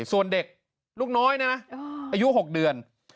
ส่วนเด็กลูกน้อยเนี่ยนะอายุ๖เดือน